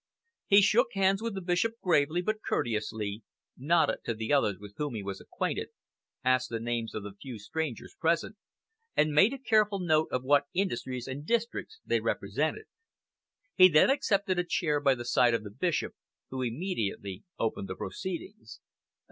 He shook hands with the Bishop gravely but courteously, nodded to the others with whom he was acquainted, asked the names of the few strangers present, and made a careful mental note of what industries and districts they represented. He then accepted a chair by the side of the Bishop, who immediately opened the proceedings.